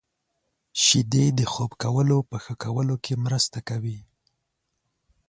• شیدې د خوب کولو په ښه کولو کې مرسته کوي.